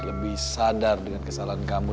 lebih sadar dengan kesalahan kamu